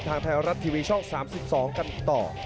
ทางไทยรัฐทีวีช่อง๓๒กันต่อ